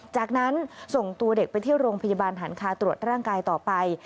จากนั้นส่งตัวเด็กไปที่โรงพยาบาลหันคาตรวจร่างกายต่อไป